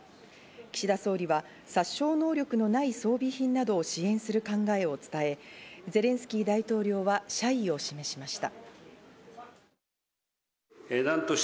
岸田総理は殺傷能力のない装備品などを支援する考えを伝え、ゼレンスキー大統領は謝意を示しました。